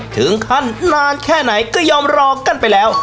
ถึงขั้นนานแค่ไหนก็ยอมรอกันไปแล้ว